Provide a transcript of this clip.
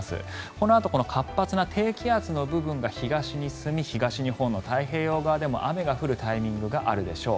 このあとこの活発な低気圧の部分が東に進み東日本の太平洋側でも雨が降るタイミングがあるでしょう。